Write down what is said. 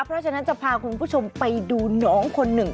เพราะฉะนั้นจะพาคุณผู้ชมไปดูน้องคนหนึ่ง